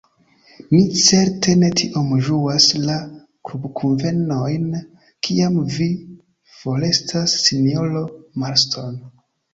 Ni certe ne tiom ĝuas la klubkunvenojn, kiam vi forestas, sinjoro Marston.